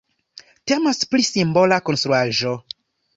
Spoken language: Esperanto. Temas pri simbola konstruaĵo.